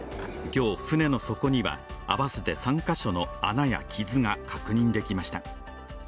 今日、船の底には合わせて３カ所の穴や傷が確認できました。